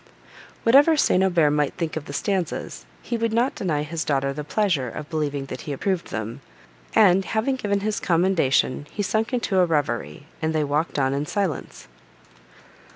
Whatever St. Aubert might think of the stanzas, he would not deny his daughter the pleasure of believing that he approved them; and, having given his commendation, he sunk into a reverie, and they walked on in silence.